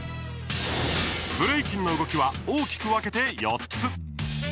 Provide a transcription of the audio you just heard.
ブレイキンの動きは大きく分けて４つ。